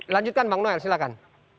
lanjutkan bang noel silakan